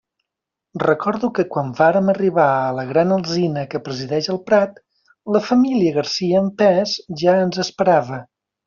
Recordo que quan vàrem arribar a la gran alzina que presideix el prat, la família Garcia en pes ja ens esperava.